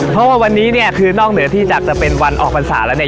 เพราะว่าวันนี้เนี่ยคือนอกเหนือที่จากจะเป็นวันออกพรรษาแล้วเนี่ย